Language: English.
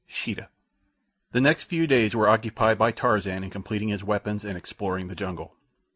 Sheeta The next few days were occupied by Tarzan in completing his weapons and exploring the jungle.